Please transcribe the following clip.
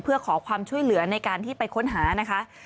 เพื่อขอความช่วยเหลือในการที่ไปค้นหานะคะ